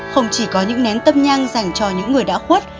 không chỉ có những nén tâm nhang dành cho những người đã khuất